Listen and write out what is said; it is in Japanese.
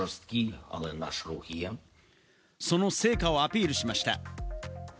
その成果をアピールしました。